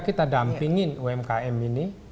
kita dampingin umkm ini